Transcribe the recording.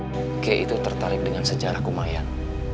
tuke itu tertarik dengan sejarah kumayan